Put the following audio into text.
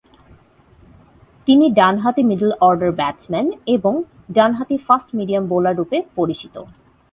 তিনি ডানহাতি middle order batsman এবং ডানহাতি ফাস্ট মিডিয়াম বোলাররূপে পরিচিত।